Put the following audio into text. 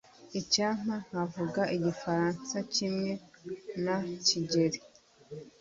Icyampa nkavuga Igifaransa kimwe na Kigeri.